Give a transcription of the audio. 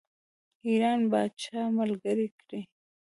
ایران پاچا ملګری کړي.